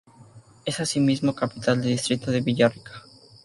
Es asimismo capital del distrito de Villa Rica.